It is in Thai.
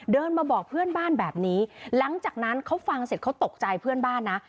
เดินมาบอกเพื่อนบ้านแบบนี้หลังจากนั้นเขาฟังเสร็จเขาตกใจเพื่อนบ้านนะ